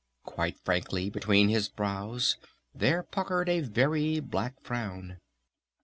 Quite frankly between his brows there puckered a very black frown.